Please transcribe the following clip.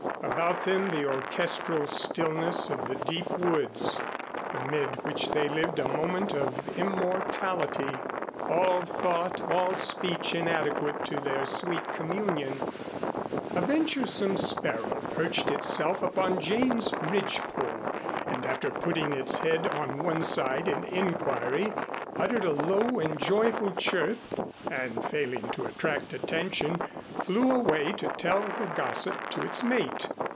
About them the orchestral stillness of the deep woods, amid which they lived a moment of immortality, all thought, all speech inadequate to their sweet communion. A venturesome sparrow perched itself upon Jane's ridgepole, and after putting its head on one side in inquiry uttered a low and joyful chirp, and failing to attract attention flew away to tell the gossip to its mate.